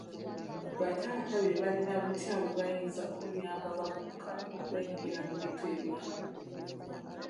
Bataata beebalina butya bwe bayinza okuyamaba abavubuka okwenyigira mu bintu ebiyamba.